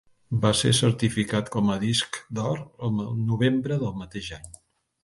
Va ser certificat com a disc d'or el novembre del mateix any.